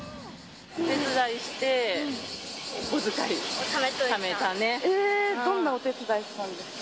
お手伝いして、お小遣い、どんなお手伝いしたんですか？